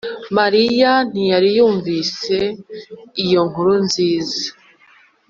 mariya ntiyari yumvise iyo nkuru nziza